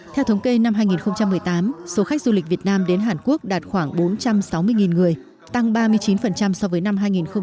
theo thống kê năm hai nghìn một mươi tám số khách du lịch việt nam đến hàn quốc đạt khoảng bốn trăm sáu mươi người tăng ba mươi chín so với năm hai nghìn một mươi bảy